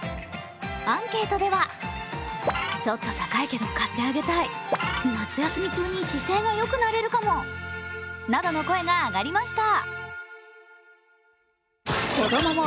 アンケートではなどの声が上がりました。